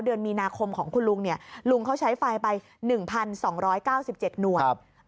เดือนมีนาคมของคุณลุงลุงเขาใช้ไฟไป๑๒๙๗หน่วย